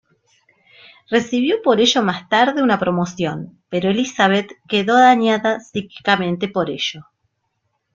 Recibió por ello más tarde una promoción, pero Elizabeth quedó dañada psíquicamente por ello.